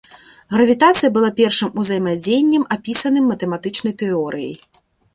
Гравітацыя была першым узаемадзеяннем, апісаным матэматычнай тэорыяй.